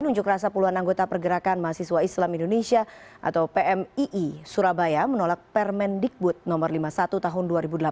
unjuk rasa puluhan anggota pergerakan mahasiswa islam indonesia atau pmii surabaya menolak permendikbud no lima puluh satu tahun dua ribu delapan belas